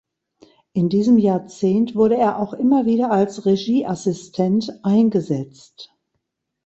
In diesem Jahrzehnt wurde er auch immer wieder als Regieassistent eingesetzt.